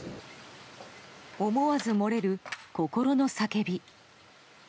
思わず漏れる、心の叫び。